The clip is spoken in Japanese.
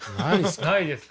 ないですか？